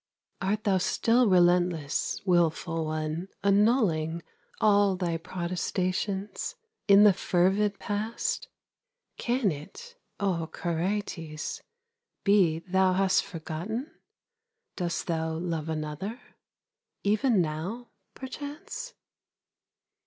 Art thou still relentless, Wilful one, annulling All thy protestations In the fervid past? Can it, O Charites, Be thou hast forgotten? Dost thou love another, Even now, perchance?